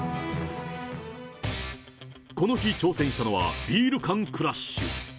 この日挑戦したのは、ビール缶クラッシュ。